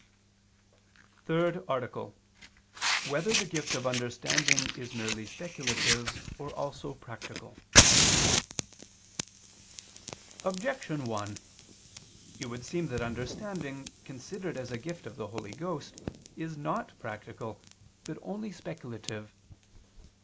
_______________________ THIRD ARTICLE [II II, Q. 8, Art. 3] Whether the Gift of Understanding Is Merely Speculative or Also Practical? Objection 1: It would seem that understanding, considered as a gift of the Holy Ghost, is not practical, but only speculative.